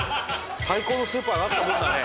最高のスーパーがあったもんだね。